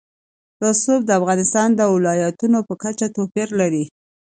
رسوب د افغانستان د ولایاتو په کچه توپیر لري.